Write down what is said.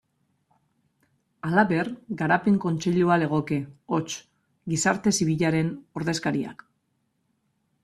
Halaber, Garapen Kontseilua legoke, hots, gizarte zibilaren ordezkariak.